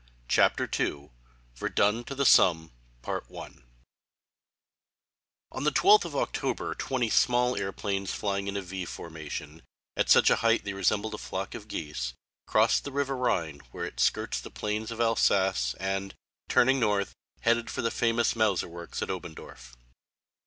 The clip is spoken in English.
CHAPTER II VERDUN TO THE SOMME On the 12th of October, twenty small airplanes flying in a V formation, at such a height they resembled a flock of geese, crossed the river Rhine, where it skirts the plains of Alsace, and, turning north, headed for the famous Mauser works at Oberndorf.